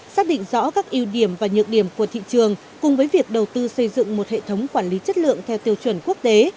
xác định rõ các ưu điểm và nhược điểm của thị trường cùng với việc đầu tư xây dựng một hệ thống quản lý chất lượng theo tiêu chuẩn quốc tế